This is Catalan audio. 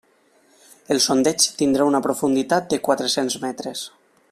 El sondeig tindrà una profunditat de quatre-cents metres.